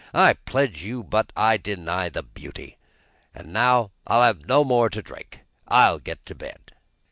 I pledge you, but I deny the beauty. And now I'll have no more drink; I'll get to bed."